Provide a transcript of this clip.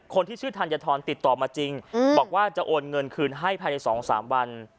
คนที่ชื่อธัญฑรติดต่อมาจริงบอกว่าจะโอนเงินคืนให้ภายใน๒๓วัน